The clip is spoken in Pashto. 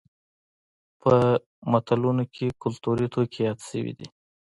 په متلونو کې کولتوري توکي یاد شوي دي